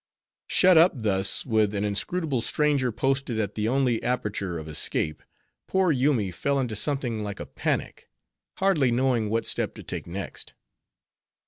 Shut up thus, with an inscrutable stranger posted at the only aperture of escape, poor Yoomy fell into something like a panic; hardly knowing what step to take next.